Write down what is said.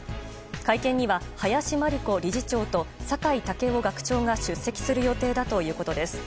会見には、林真理子理事長と酒井健夫学長が出席する予定だということです。